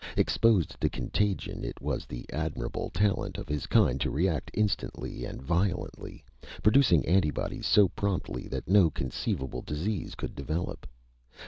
Exposed to contagion, it was the admirable talent of his kind to react instantly and violently, producing antibodies so promptly that no conceivable disease could develop.